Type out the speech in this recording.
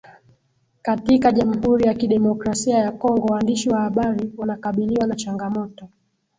katika jamhuri ya Kidemokrasia ya kongo waandishi wa habari wanakabiliwa na changamoto